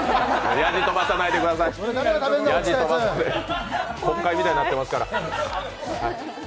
やじ飛ばさないでください、国会みたいになってますから。